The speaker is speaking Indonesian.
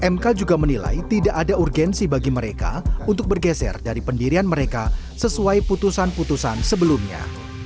mk juga menilai tidak ada urgensi bagi mereka untuk bergeser dari pendirian mereka sesuai putusan putusan sebelumnya